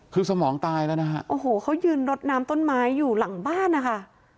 คือสมองตายแล้วนะฮะโอ้โหเขายืนรดน้ำต้นไม้อยู่หลังบ้านนะคะ